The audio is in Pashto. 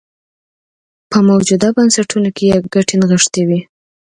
په موجوده بنسټونو کې یې ګټې نغښتې وې.